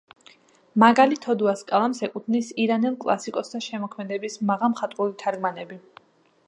მაგალი თოდუას კალამს ეკუთვნის ირანელ კლასიკოსთა შემოქმედების მაღალმხატვრული თარგმანები.